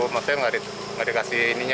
maksudnya nggak dikasih ininya